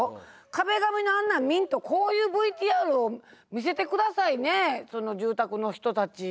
壁紙のあんなん見んとこういうＶＴＲを見せてくださいねその住宅の人たち。